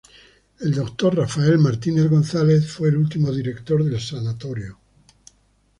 El Dr. Rafael Martínez González fue el último director del Sanatorio No.